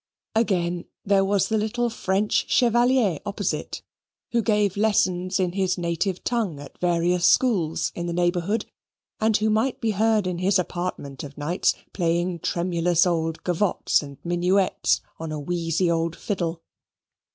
Again, there was the little French chevalier opposite, who gave lessons in his native tongue at various schools in the neighbourhood, and who might be heard in his apartment of nights playing tremulous old gavottes and minuets on a wheezy old fiddle.